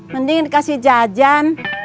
mending dikasih jajan